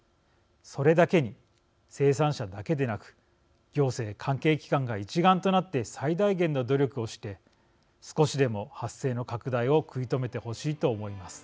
それだけに生産者だけでなく行政、関係機関が一丸となって最大限の努力をして少しでも発生の拡大を食い止めてほしいと思います。